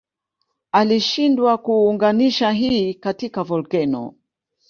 Alishindwa kuunganisha hii katika volkeno